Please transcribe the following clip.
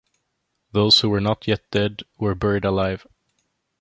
Those who were not yet dead were buried alive.